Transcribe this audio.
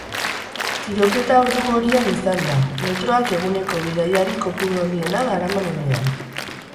Tiroketa ordu gorian izan da, metroak eguneko bidaiari kopuru handiena daraman unean.